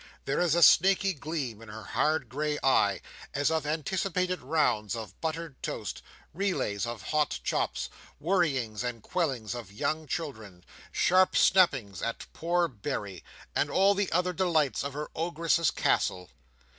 There is a snaky gleam in her hard grey eye, as of anticipated rounds of buttered toast, relays of hot chops, worryings and quellings of young children, sharp snappings at poor Berry, and all the other delights of her Ogress's castle.